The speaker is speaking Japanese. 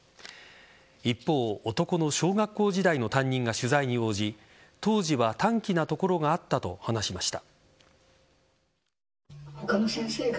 一方、男の小学校時代の担任が取材に応じ当時は短気なところがあったと話しました。